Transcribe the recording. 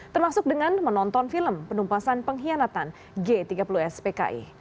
termasuk dengan menonton film penumpasan pengkhianatan g tiga puluh spki